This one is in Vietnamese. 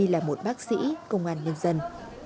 là một bác sĩ công an nhân dân